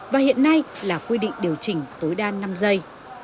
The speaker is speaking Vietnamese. và hiện nay là quy định điều chỉnh tối đa năm giây